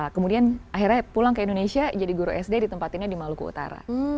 kemudian akhirnya pulang ke indonesia jadi guru sd di tempat ini di maluku utara